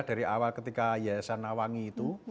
dari awal ketika yayasan nawangi itu